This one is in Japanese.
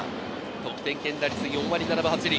得点圏打率４割７分８厘。